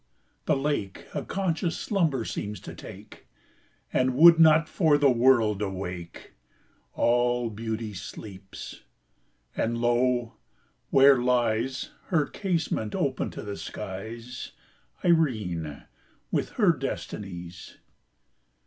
the lake A conscious slumber seems to take, And would not, for the world, awake. All Beauty sleeps! and lo! where lies (Her casement open to the skies) Irene, with her Destinies!